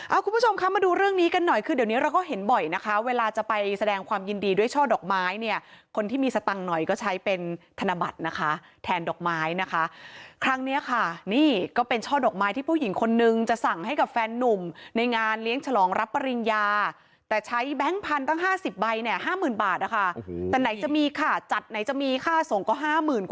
เอาคุณผู้ชมคะมาดูเรื่องนี้กันหน่อยคือเดี๋ยวนี้เราก็เห็นบ่อยนะคะเวลาจะไปแสดงความยินดีด้วยช่อดอกไม้เนี่ยคนที่มีสตังค์หน่อยก็ใช้เป็นธนบัตรนะคะแทนดอกไม้นะคะครั้งเนี้ยค่ะนี่ก็เป็นช่อดอกไม้ที่ผู้หญิงคนนึงจะสั่งให้กับแฟนนุ่มในงานเลี้ยงฉลองรับปริญญาแต่ใช้แบงค์พันธุ์ตั้งห้าสิบใบเนี่ยห้าหมื่นบาทนะคะแต่ไหนจะมีค่ะจัดไหนจะมีค่าส่งก็ห้าหมื่น